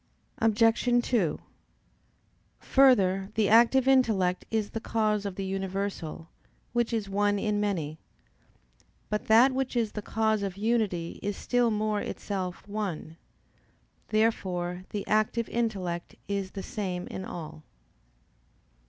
Obj. 2: Further, the active intellect is the cause of the universal, which is one in many. But that which is the cause of unity is still more itself one. Therefore the active intellect is the same in all.